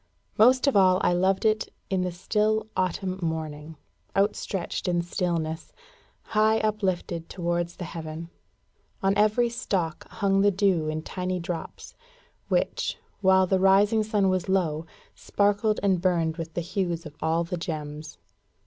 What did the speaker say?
Most of all, I loved it in the still autumn morning, outstretched in stillness, high uplifted towards the heaven. On every stalk hung the dew in tiny drops, which, while the rising sun was low, sparkled and burned with the hues of all the gems.